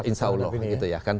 insya allah gitu ya kan